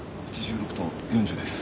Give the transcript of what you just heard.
８６と４０です。